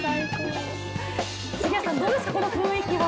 杉谷さん、どうですか、この雰囲気は。